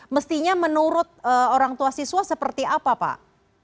mestinya menurut orang tua siswa seperti apa pak